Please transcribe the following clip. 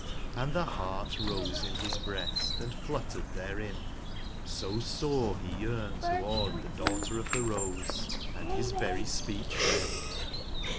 Hnd the heart rose in his breast and fluttered therein, so sore he yearned toward the Daughter of the Rose, and his very speech/friend.